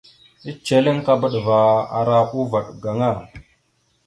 Eceleŋkaba dəva ara uvaɗ gaŋa.